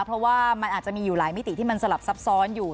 เพราะว่ามันอาจจะมีอยู่หลายมิติที่มันสลับซับซ้อนอยู่